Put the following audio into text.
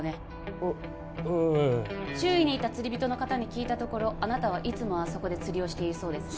えっええ周囲にいた釣り人の方に聞いたところあなたはいつもあそこで釣りをしているそうですね